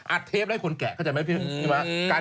อัดเทปแล้วให้คนแกะเข้าใจมั้ยพี่ม้า